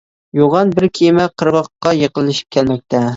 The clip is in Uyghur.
يوغان بىر كېمە قىرغاققا يېقىنلىشىپ كەلمەكتە.